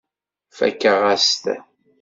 Fakeɣ-as-t.